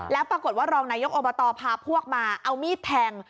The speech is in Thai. แล้วปรากฏว่ารองนายกอบตพาพวกมาเอามีดแทง